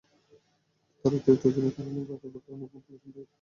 কিন্তু তাঁর অতিরিক্ত ওজনের কারণে বাঁকা বাঁকা অনেক মন্তব্য শুনতে হয়েছে তাঁকে।